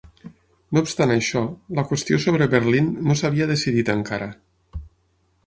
No obstant això, la qüestió sobre Berlín no s'havia decidit encara.